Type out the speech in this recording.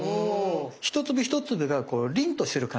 一粒一粒が凛としてる感じ。